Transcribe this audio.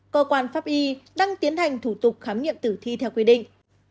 cơ quan pháp y đang tiến hành thủ tục khám nghiệm tử thi theo quy định